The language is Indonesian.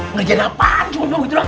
ngerjain apaan cuma mau gitu doang